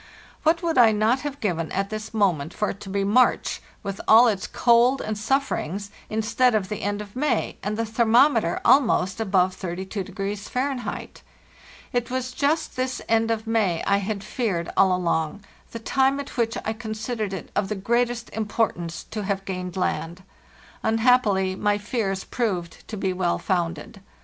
What would I not have given at this moment for it to be March, with all its cold and sufferings, instead of the end of May, and the thermometer almost above 32° Fahr.? It was just this end of May I had feared all along, the time at which I considered it of the greatest importance to have gained land. Unhappily my fears proved to be well founded.